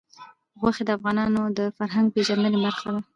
غوښې د افغانانو د فرهنګي پیژندنې برخه ده.